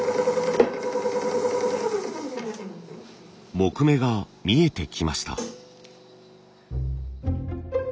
木目が見えてきました。